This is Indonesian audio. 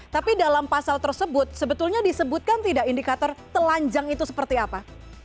tapi dalam pasal tersebut sebetulnya disebutkan tidak indikator telanjang itu seperti apa